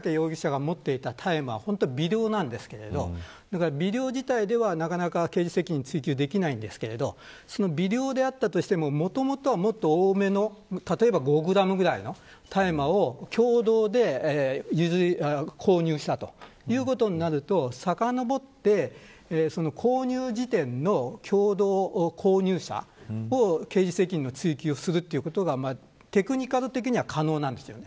３つ目には、今回北畠容疑者が持っていた大麻は微量なんですが微量では刑事責任を追及できないということで微量であったとしてももともとは多めの例えば５グラムぐらいの大麻を共同で購入したということになるとさかのぼって購入時点の共同購入者を刑事責任の追及をするということがテクニカル的には可能なんです。